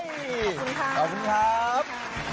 ขอบคุณครับขอบคุณครับขอบคุณครับ